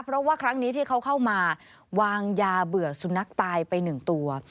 เพราะว่าครั้งนี้ที่เขาเข้ามาวางยาเบื่อสุนัขตายไปหนึ่งตัว